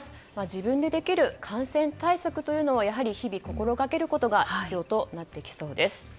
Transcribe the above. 自分でできる感染対策というのを日々心がけることが必要となってきそうです。